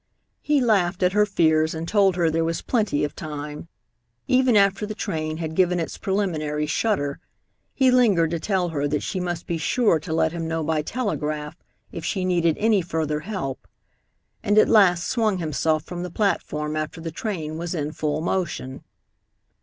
He laughed at her fears, and told her there was plenty of time. Even after the train had given its preliminary shudder, he lingered to tell her that she must be sure to let him know by telegraph if she needed any further help; and at last swung himself from the platform after the train was in full motion.